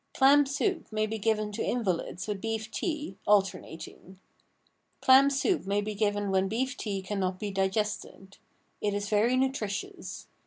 Clam soup may be given to invalids with beef tea, alternating. Clam soup may be given when beef tea can not be digested. It is very nutritious.